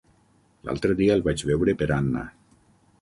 L'altre dia el vaig veure per Anna.